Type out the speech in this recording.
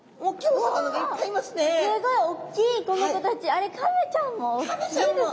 あれカメちゃんもおっきいですね。